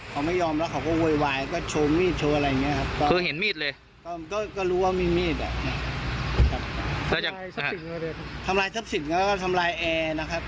ก็ไม่ยอมแล้วเขาก็โวยวายก็โชว์มีดโชว์อะไรอย่างนี้ครับเพิ่งเห็นมีดเลยก็ก็รู้ว่ามีมีดอ่ะครับแล้วจากทำลายทรัพย์สิทธิ์แล้วก็ทำลายแอร์นะครับ